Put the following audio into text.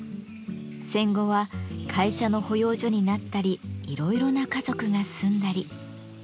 戦後は会社の保養所になったりいろいろな家族が住んだり。